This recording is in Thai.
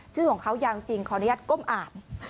ชื่อของเขายาวจริงขออนุญาตก้มอ่าน